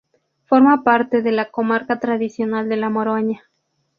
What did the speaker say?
Forma parte de la comarca tradicional de La Moraña.